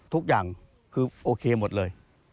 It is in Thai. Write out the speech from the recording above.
ทุกอย่างคือโอเคหมดเลย